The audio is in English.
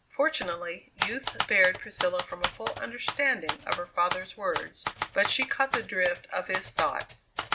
Fortunately, youth spared Priscilla from a full understanding of her father's words, but she caught the drift of his thought.